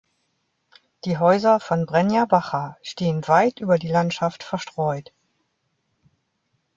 Die Häuser von Breña Baja stehen weit über die Landschaft verstreut.